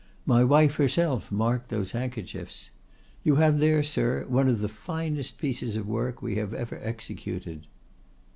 My wife herself marked those handkerchiefs. You have there, sir, one of the finest pieces of work we have ever executed.